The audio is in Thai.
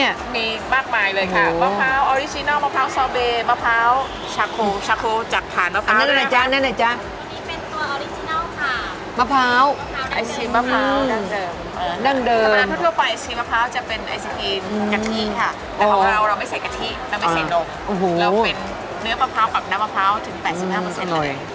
เราไม่ใส่กะทิเราไม่ใส่นมโอ้โหเราเป็นเนื้อมะพร้าวกับน้ำมะพร้าวถึงแปดสิบห้ามเปอร์เซ็นต์เลย